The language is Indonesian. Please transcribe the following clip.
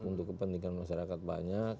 untuk kepentingan masyarakat banyak